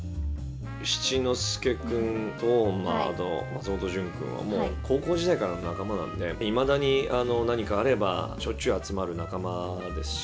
七之助君と、あと松本潤君は、もう高校時代からの仲間なんで、いまだに何かあれば、しょっちゅう集まる仲間ですし。